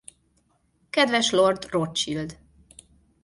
Kedves Lord Rothschild!